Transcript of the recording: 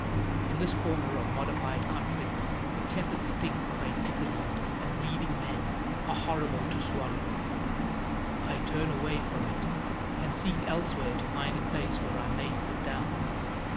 In this corner of modified conflict the tepid stinks of acetylene and bleeding men are horrible to swallow. I turn away from it and seek elsewhere to find a place where I may sit down.